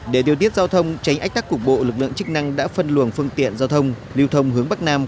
để điều tiết giao thông tránh ách tắc cục bộ lực lượng chức năng đã phân luồng phương tiện giao thông